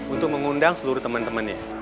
untuk mengundang seluruh teman temannya